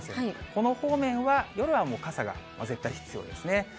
この方面は、夜は傘が絶対必要ですね。